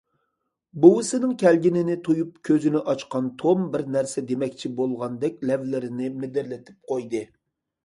بوۋىسىنىڭ كەلگىنىنى تۇيۇپ كۆزىنى ئاچقان توم بىر نەرسە دېمەكچى بولغاندەك لەۋلىرىنى مىدىرلىتىپ قويدى.